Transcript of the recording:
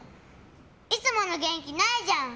いつもの元気ないじゃん。